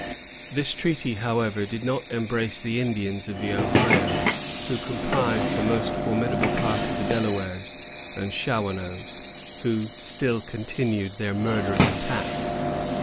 This treaty, however, did not embrace the Indians of the Ohio, who comprised the most formidable part of the Delawares and Shawanoes, and who still continued their murderous attacks.